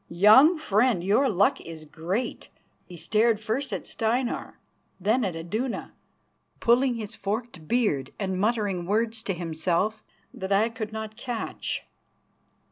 Young friend, your luck is great," and he stared first at Steinar, then at Iduna, pulling his forked beard and muttering words to himself that I could not catch.